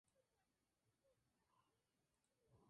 Entre ellas destacan los restos de la Edad del Bronce.